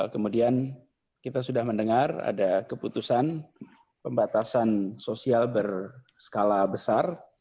kemudian kita sudah mendengar ada keputusan pembatasan sosial berskala besar